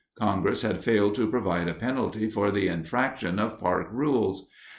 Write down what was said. Congress had failed to provide a penalty for the infraction of park rules.